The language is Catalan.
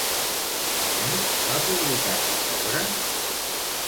A més, va publicar cap obra?